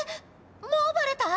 もうバレた？